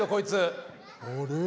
あれ？